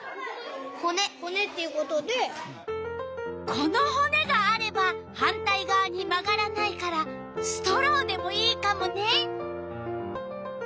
このほねがあれば反対がわに曲がらないからストローでもいいカモね。